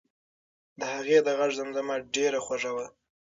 د هغې د غږ زمزمه ډېره خوږه وه.